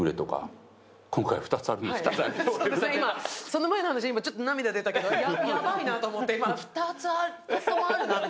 その前のシーン、ちょっと涙出たけど、ヤバいなと思って。